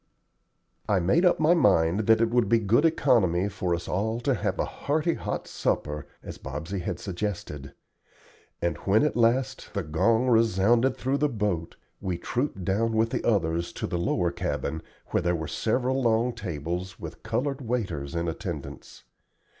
I made up my mind that it would be good economy for us all to have a hearty hot supper, as Bobsey had suggested; and when, at last, the gong resounded through the boat, we trooped down with the others to the lower cabin, where there were several long tables, with colored waiters in attendance.